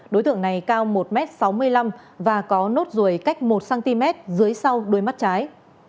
đối tượng này cao một m sáu mươi năm và có nốt ruồi cách một cm dưới sau đuôi mắt trái